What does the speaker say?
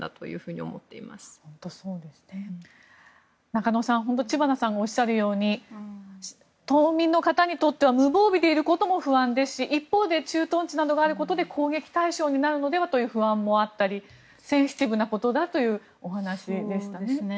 中野さん知花さんがおっしゃるように島民の方にとっては無防備でいることも不安ですし一方で駐屯地などがあることで攻撃対象になるのではという不安もあったりセンシティブなことだというお話ですね。